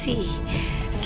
suka banget nih you